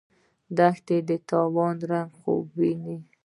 دښمن د تاوان رنګه خوبونه ویني